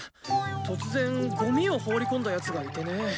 突然ゴミを放り込んだヤツがいてね。